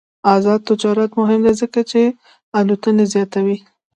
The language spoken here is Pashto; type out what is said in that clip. آزاد تجارت مهم دی ځکه چې الوتنې زیاتوي.